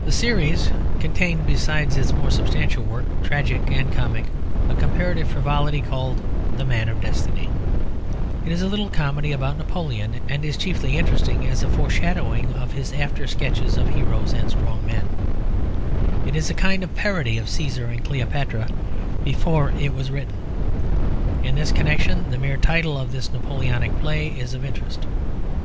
The series contained, besides its more substantial work, tragic and comic, a comparative frivolity called The Man of Destiny. It is a little comedy about Napoleon, and is chiefly interesting as a foreshadowing of his after sketches of heroes and strong men; it is a kind of parody of Cæsar and Cleopatra before it was written. In this connection the mere title of this Napoleonic play is of interest.